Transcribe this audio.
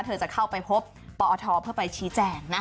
เธอจะเข้าไปพบปอทเพื่อไปชี้แจงนะ